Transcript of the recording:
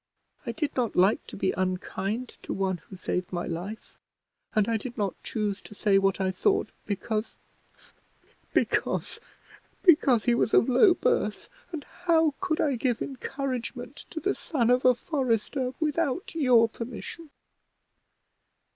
I did not like to be unkind to one who saved my life, and I did not choose to say what I thought because because because he was of low birth; and how could I give encouragement to the son of a forester without your permission?"